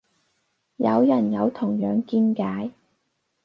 有人有同樣見解